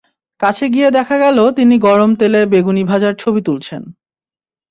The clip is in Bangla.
কাছে গিয়ে দেখা গেল তিনি গরম তেলে বেগুনি ভাজার ছবি তুলছেন।